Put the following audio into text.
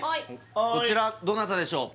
こちらどなたでしょう？